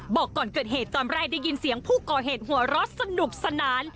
บอกก่อนเกิดเหตุตอนแรกได้ยินเสียงผู้ก่อเหตุหัวเราะสนุกสนาน